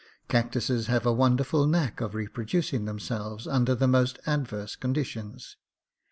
Cactuses have a wonderful knack of reproducing themselves under the most adverse conditions.